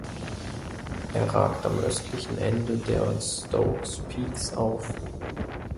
Er ragt am östlichen Ende der Stokes Peaks auf.